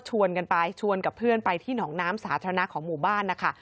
กันไปชวนกับเพื่อนไปที่หนองน้ำสาธารณะของหมู่บ้านนะคะ